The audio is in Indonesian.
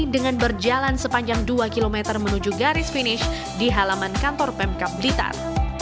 dengan berjalan sepanjang dua km menuju garis finish di halaman kantor pemkap blitar